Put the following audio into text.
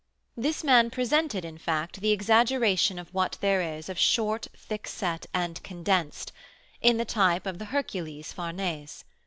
This man presented, in fact, the exaggeration of what there is of short, thickset, and condensed, in the type of the Hercules Farnese.